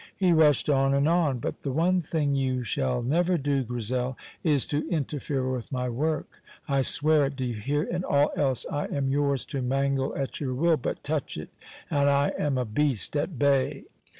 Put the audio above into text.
He rushed on and on. "But the one thing you shall never do, Grizel, is to interfere with my work; I swear it, do you hear? In all else I am yours to mangle at your will, but touch it, and I am a beast at bay."